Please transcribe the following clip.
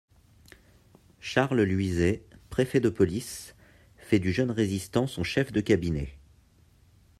Charles Luizet, préfet de police, fait du jeune résistant son chef de cabinet.